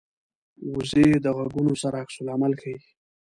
وزې د غږونو سره عکس العمل ښيي